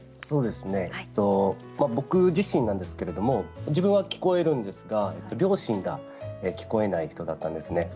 僕自身なんですけれども自分は聞こえるんですが両親が聞こえない人だったんです。